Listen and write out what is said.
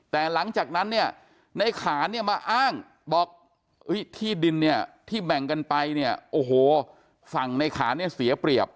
แต่หลังจากนั้นในขานมาอ้างบอกที่ดินที่แบ่งกันไปฝั่งในขานเสียเปรียบ